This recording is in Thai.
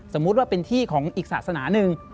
สมมุติว่าเป็นที่ของอีกศาสนาหนึ่ง